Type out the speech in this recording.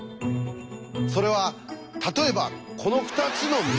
それは例えばこの２つの結び目。